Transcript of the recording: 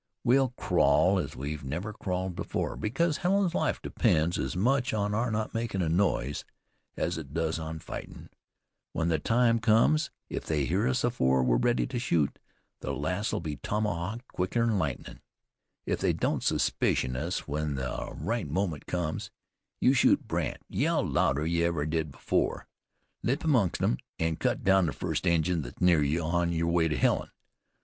We'll crawl as we've never crawled afore, because Helen's life depends as much on our not makin' a noise, as it does on fightin' when the time comes. If they hear us afore we're ready to shoot, the lass'll be tomahawked quicker'n lightnin'. If they don't suspicion us, when the right moment comes you shoot Brandt, yell louder'n you ever did afore, leap amongst 'em, an' cut down the first Injun thet's near you on your way to Helen.